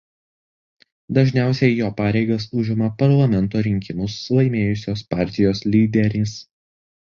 Dažniausiai jo pareigas užima parlamento rinkimus laimėjusios partijos lyderis.